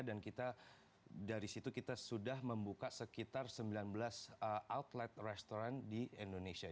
dan dari situ kita sudah membuka sekitar sembilan belas outlet restaurant di indonesia